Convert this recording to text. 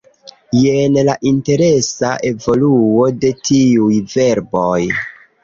Jen la interesa evoluo de tiuj verboj: